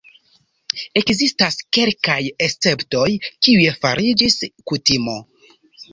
Ekzistas kelkaj esceptoj, kiuj fariĝis kutimo.